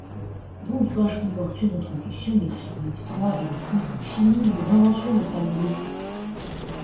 L'ouvrage comporte une introduction décrivant l'histoire et les principes chimiques de l'invention de Talbot.